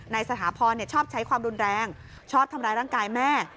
สถาพรชอบใช้ความรุนแรงชอบทำร้ายร่างกายแม่